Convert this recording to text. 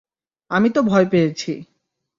আমি তো ভয় পেয়েছি।